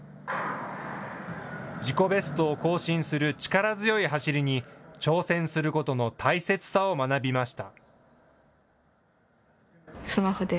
自己ベストを更新する力強い走りに、挑戦することの大切さを学びました。